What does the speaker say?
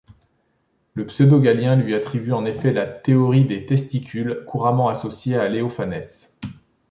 Le Pseudo-Galien lui attribue en effet la théorie des testicules couramment associée à Léophanès.